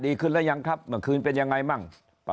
ดีขึ้นหรือยังครับเมื่อคืนเป็นยังไงมั่ง